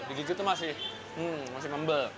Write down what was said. di gigi itu masih membel